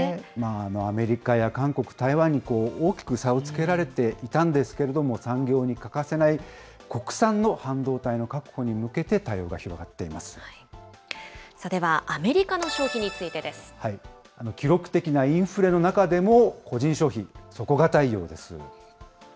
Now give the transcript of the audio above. アメリカや韓国、台湾に大きく差をつけられていたんですけれども、産業に欠かせない国産の半導体の確保に向けて対応が広がっていまでは、アメリカの消費につい記録的なインフレの中でも、個人消費、底堅いようです。